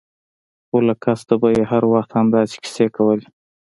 خو له کسته به يې هر وخت همداسې کيسې کولې.